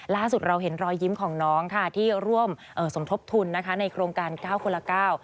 ล่าสุดเราเห็นรอยยิ้มของน้องที่ร่วมสมทบทุนในโครงการ๙คนละ๙